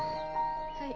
はい。